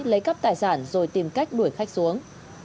lấy cắp tài sản rồi tìm cách đuổi khách xuống